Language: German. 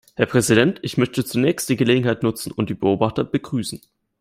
Herr Präsident, ich möchte zunächst die Gelegenheit nutzen und die Beobachter begrüßen.